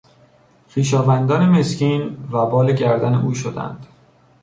خویشاوندان مسکین وبال گردن او شدند.